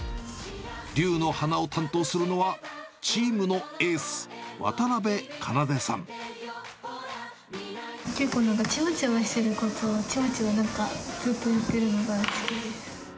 竜の鼻を担当するのは、チームのエース、結構なんか、ちまちましていることを、ちまちまずっとやってるのが好きです。